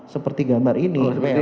seperti gambar ini